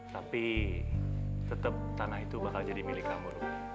tapi tetap tanah itu bakal jadi milik kamu